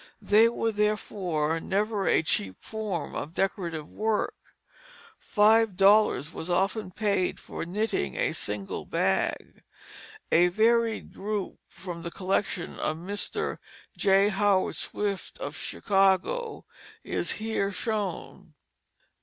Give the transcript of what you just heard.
They were therefore never a cheap form of decorative work. Five dollars was often paid for knitting a single bag. A varied group from the collection of Mr. J. Howard Swift of Chicago is here shown.